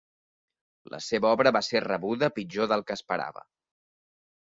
La seva obra va ser rebuda pitjor del que esperava.